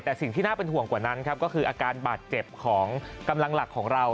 แต่สิ่งที่น่าเป็นห่วงกว่านั้นครับก็คืออาการบาดเจ็บของกำลังหลักของเรา